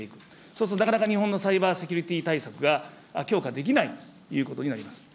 そうすると、なかなか日本のサイバーセキュリティ対策が強化できないということになります。